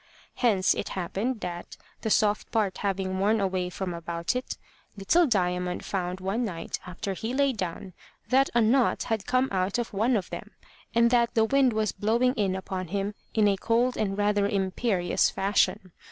Hence it happened that the soft part having worn away from about it, little Diamond found one night, after he lay down, that a knot had come out of one of them, and that the wind was blowing in upon him in a cold and rather imperious fashion.